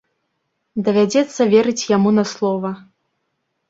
Давядзецца верыць яму на слова.